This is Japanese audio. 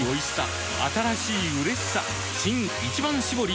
新「一番搾り」